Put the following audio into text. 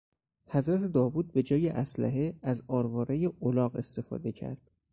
حضرت داود به جای اسلحه از آروارهی الاغ استفاده کرد.